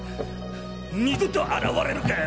二度と現れるかよ